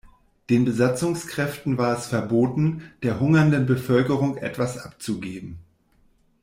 Den Besatzungskräften war es verboten, der hungernden Bevölkerung etwas abzugeben.